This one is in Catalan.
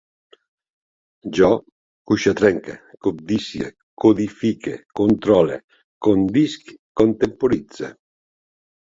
Jo cuixatrenque, cobdicie, codifique, controle, condisc, contemporitze